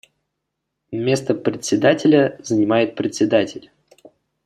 Место Председателя занимает Председатель.